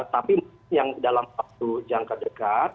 tapi yang dalam waktu jangka dekat